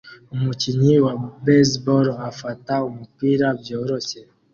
umukinnyi wa baseball afata umupira byoroshye